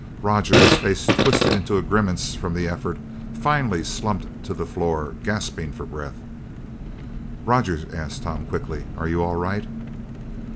Roger, his face twisted into a grimace from the effort, finally slumped to the floor, gasping for breath. "Roger," asked Tom quickly, "are you all right?"